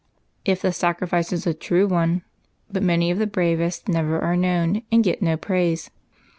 "If the sacrifice is a true one. But many of the bravest never are known, and get no praise.